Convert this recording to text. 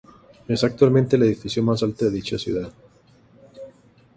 Es actualmente el edificio más alto de dicha ciudad.